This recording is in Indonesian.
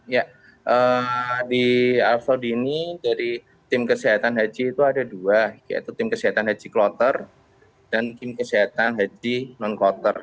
ya di arab saudi ini dari tim kesehatan haji itu ada dua yaitu tim kesehatan haji kloter dan tim kesehatan haji non kloter